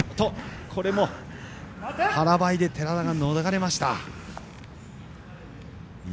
これも腹ばいで寺田が逃れました。